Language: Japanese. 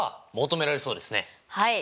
はい。